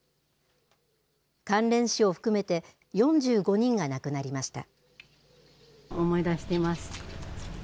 関連死を含めて、４５人が亡くなりました。